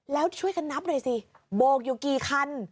แล้วช่วยกันนับหน่อยสิโบกอยู่กี่คัน